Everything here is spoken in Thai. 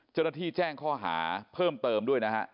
เจ้าหน้าที่แจ้งข้อหาเพิ่มเติมด้วยนะฮะ